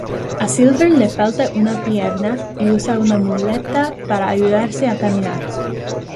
A Silver le falta una pierna, y usa una muleta para ayudarse a caminar.